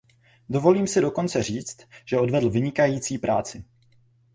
Dovolím si dokonce říct, že odvedl vynikající práci.